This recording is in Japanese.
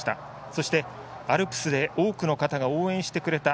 そして、アルプスで多くの方が応援してくれた。